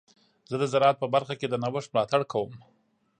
زه د زراعت په برخه کې د نوښت ملاتړ کوم.